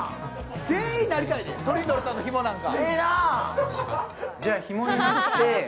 全員なりたいで、トリンドルさんのヒモなんか。